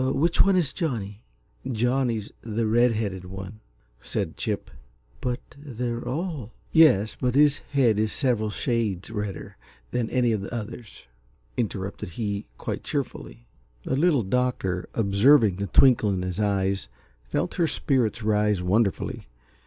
Which one is Johnny?" "Johnny's the red headed one," said Chip. "But they're ALL " "Yes, but his head is several shades redder than any of the others," interrupted he, quite cheerfully. The Little Doctor, observing the twinkle in his eyes, felt her spirits rise wonderfully.